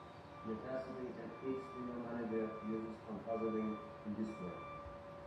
Metacity, an X window manager uses compositing in this way.